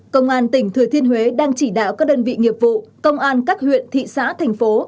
công an tỉnh thừa thiên huế đang chỉ đạo các đơn vị nghiệp vụ công an các huyện thị xã thành phố